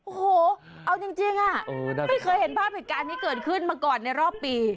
โอ้โหเอาจริงไม่เคยเห็นภาพเหตุการณ์นี้เกิดขึ้นมาก่อนในรอบปี